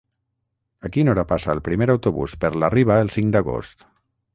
A quina hora passa el primer autobús per la Riba el cinc d'agost?